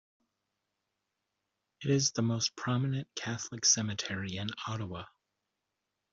It is the most prominent Catholic cemetery in Ottawa.